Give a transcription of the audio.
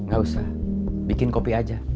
gak usah bikin kopi aja